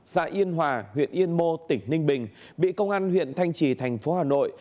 xã yên hòa huyện yên mô tỉnh ninh bình bị công an huyện thanh trì thành phố hà nội